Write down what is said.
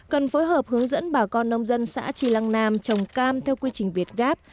cần phối hợp hướng dẫn bà con nông dân xã tri lăng nam trồng cam theo quy trình việt gáp